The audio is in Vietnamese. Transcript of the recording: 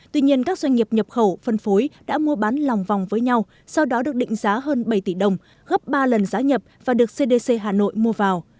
tuy nhiên các doanh nghiệp nhập khẩu phân phối đã mua bán lòng vòng với nhau sau đó được định giá hơn bảy tỷ đồng gấp ba lần giá nhập và được cdc hà nội mua vào